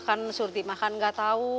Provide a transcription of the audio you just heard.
kan surti mah kan gak tau